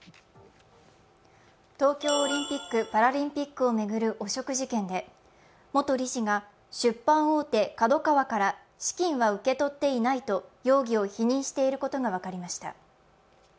東京オリンピック・パラリンピックを巡る汚職事件で、元理事が出版大手・ＫＡＤＯＫＡＷＡから資金は受け取っていないと容疑を否認していることが分かりました。